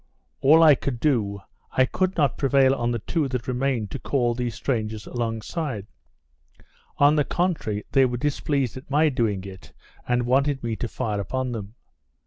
All I could do, I could not prevail on the two that remained to call these strangers along side; on the contrary, they were displeased at my doing it, and wanted me to fire upon them.